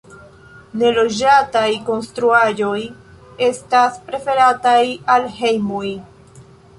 Neloĝataj konstruaĵoj estas preferataj al hejmoj.